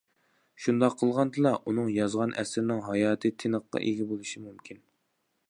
شۇنداق قىلغاندىلا ئۇنىڭ يازغان ئەسىرىنىڭ ھاياتى تىنىققا ئىگە بولۇشى مۇمكىن.